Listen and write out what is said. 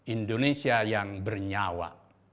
indonesia yang bernyawa